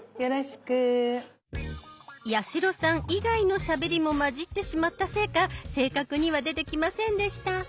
八代さん以外のしゃべりも混じってしまったせいか正確には出てきませんでした。